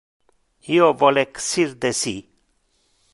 Io vole exir de ci!